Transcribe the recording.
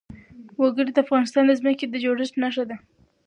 وګړي د افغانستان د ځمکې د جوړښت نښه ده.